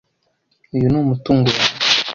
Uyu ni umutungo wanjye.